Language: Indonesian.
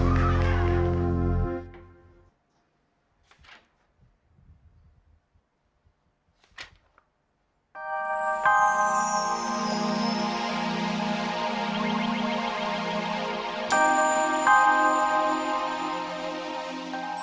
buka dewa masalah kudah